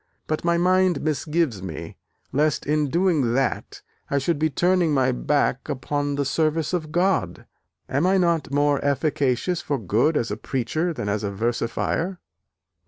But my mind misgives me, lest in doing that I should be turning my back upon the service of God. Am I not more efficacious for good as a preacher than as a versifier?"